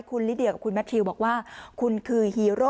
คุณลิเดียกับคุณแมททิวบอกว่าคุณคือฮีโร่